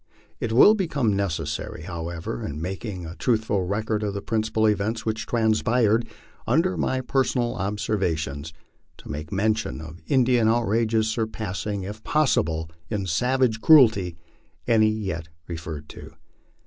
It will become necessary, how ever, in making a truthful record of the principal events which transpired under my personal observation, to make mention of Indian outrages surpassing if possible in savage cruelty any yet referred to.